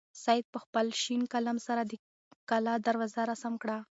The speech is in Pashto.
سعید په خپل شین قلم سره د کلا دروازه رسم کړه.